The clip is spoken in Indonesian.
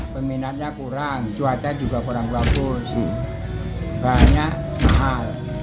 peminatnya kurang cuaca juga kurang bagus sih banyak mahal